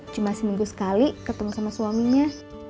cuma seminggu sekali ketemu sama suaminya